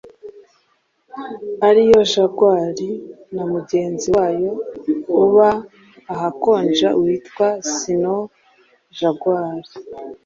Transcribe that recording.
ariyo Jaguar na mugenzi wayo uba ahakonja witwa Snow Jaguar